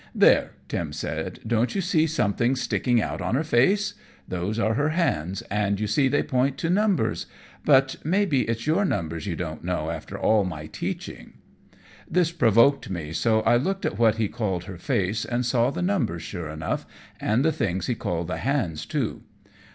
"There," Tim said, "don't you see something sticking out on her face? Those are her hands, and you see they point to numbers; but may be it's your numbers you don't know, after all my teaching." This provoked me, so I looked at what he called her face, and saw the numbers, sure enough, and the things he called the hands too.